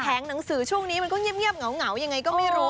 แฮงภารกิจช่วงนี้มันก็เงียบเหงายังไงก็ไม่รู้